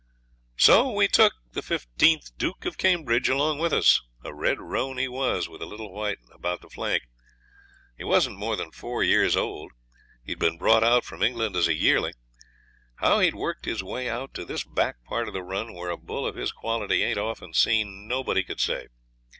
So we took 'Fifteenth Duke of Cambridge' along with us; a red roan he was, with a little white about the flank. He wasn't more than four year old. He'd been brought out from England as a yearling. How he'd worked his way out to this back part of the run, where a bull of his quality ain't often seen, nobody could say.